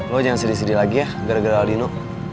lo jangan sedih sedih lagi ya gara gara aldino